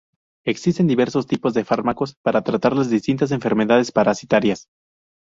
Existen diversos tipos de fármacos, para tratar las distintas enfermedades parasitarias.